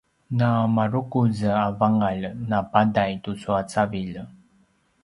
na marukuz a vangalj na padai tucu a cavilj